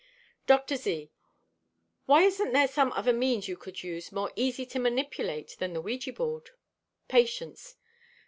Dr. Z.—"Why isn't there some other means you could use more easy to manipulate than the ouija board?" _Patience.